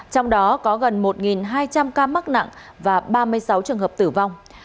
trong đó có gần một hai trăm linh ca mắc nặng và ba mươi sáu trường hợp tử vong